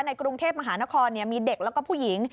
ในกรุงเทพมหานครมีเด็กแล้วก็ผู้หญิง